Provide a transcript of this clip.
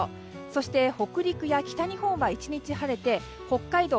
そして北陸や北日本は１日晴れて北海道